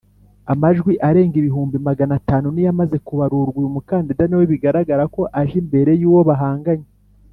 amajwi arenga ibihumbi Magana atanu niyo amaze kubarurwa uyu mukandida niwe bigaragara ko aje imbere yuwo bahanganye.